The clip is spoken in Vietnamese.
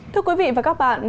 thưa quý vị và các bạn